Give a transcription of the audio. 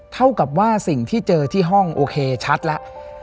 เท่ากับว่าสิ่งที่เจอที่ห้องโอเคชัดแล้ว